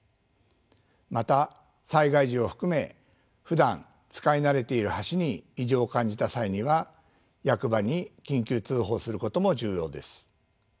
また災害時を含めふだん使い慣れている橋に異常を感じた際には役場に緊急通報することも重要です。